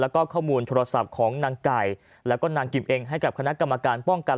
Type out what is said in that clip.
แล้วก็ข้อมูลโทรศัพท์ของนางกิ๊มเองให้กับคณะกรรมการป้องกัน